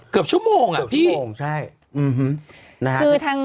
เกือบชั่วโมง